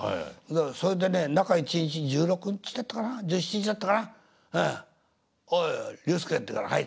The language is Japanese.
それでね中１日１６日だったかな１７日だったかな「おい龍典」って言うから「はい」。